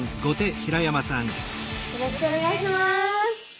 よろしくお願いします。